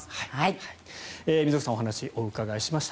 溝口さんにお話をお伺いしました。